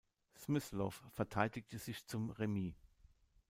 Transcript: Smyslow verteidigte sich zum Remis.